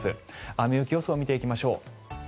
雨・雪予想見ていきましょう。